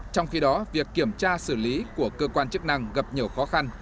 trong khi đó việc kiểm tra xử lý của cơ quan chức năng gặp nhiều khó khăn